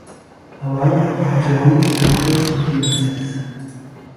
Alan Johnny Freitas de Assis